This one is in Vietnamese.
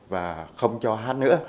và không cho hát nữa